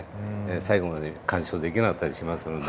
最後まで観賞できなかったりしますので。